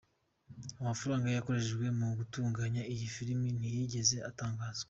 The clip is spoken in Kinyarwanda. Amafaranga yakoreshejwe mu gutunganya iyi filime ntiyigeze atangazwa.